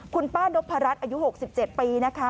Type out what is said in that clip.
คุณป้านพรัชอายุ๖๗ปีนะคะ